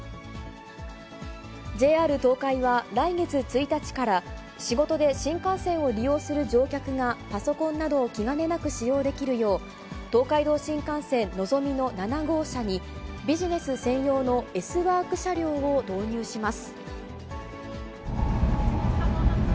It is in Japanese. ＪＲ東海は、来月１日から仕事で新幹線を利用する乗客が、パソコンなどを気兼ねなく使用できるよう、東海道新幹線のぞみの７号車に、ビジネス専用のＳＷｏｒｋ車両を導入します。